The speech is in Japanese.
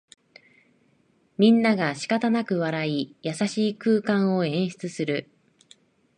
みんながしかたなく笑い、優しい空間を演出する